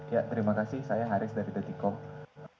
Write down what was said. ya terima kasih saya haris dari dati com